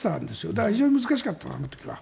だから非常に難しかったあの時は。